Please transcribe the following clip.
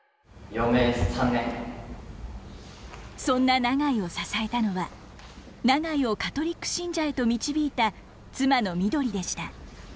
そんな永井を支えたのは永井をカトリック信者へと導いた妻の緑でした。